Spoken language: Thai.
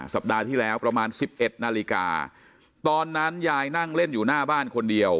สัปดาห์ที่แล้วประมาณสิบเอ็ดนาฬิกาตอนนั้นยายนั่งเล่นอยู่หน้าบ้านคนเดียว